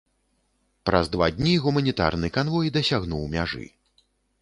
Праз два дні гуманітарны канвой дасягнуў мяжы.